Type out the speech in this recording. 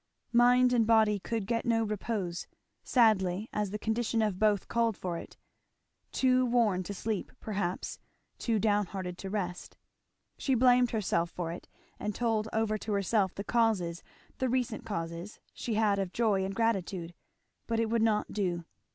Mind and body could get no repose, sadly as the condition of both called for it. Too worn to sleep, perhaps; too down hearted to rest. She blamed herself for it, and told over to herself the causes, the recent causes, she had of joy and gratitude; but it would not do.